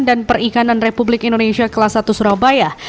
dan perikanan republik indonesia kelas satu surabaya